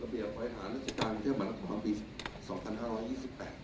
ระเบียบวัยหาราชิการเที่ยวบรรทนครปี๒๕๒๘